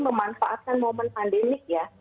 memanfaatkan momen pandemik ya